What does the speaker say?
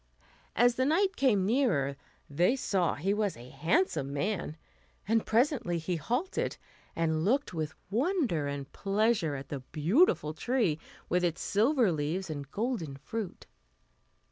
As the knight came nearer they saw he was a handsome man; and presently he halted, and looked with wonder and pleasure at the beautiful tree with its silver leaves and golden fruit.